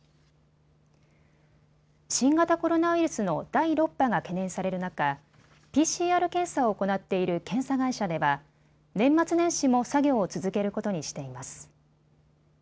新型コロナウイルスの第６波が懸念される中、ＰＣＲ検査を行っている検査会社では年末年始も作業を続けることにしています。